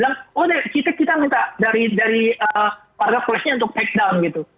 atau kementerian bilang oh kita minta dari marketplace nya untuk takedown gitu